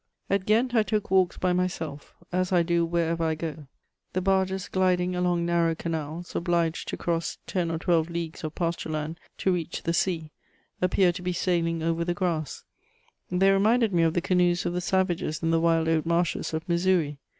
* At Ghent, I took walks by myself, as I do wherever I go. The barges gliding along narrow canals, obliged to cross ten or twelve leagues of pasture land to reach the sea, appeared to be sailing over the grass; they reminded me of the canoes of the savages in the wild oat marshes of Missouri.